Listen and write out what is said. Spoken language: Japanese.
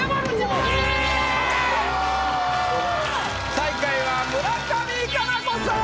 最下位は村上佳菜子さん！